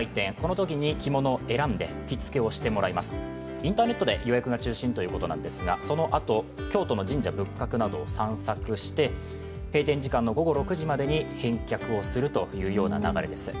インターネットで予約が中心ということですが、そのあと、京都の神社、仏閣などを散策して閉店時間の午後６時までに返却するという流れです。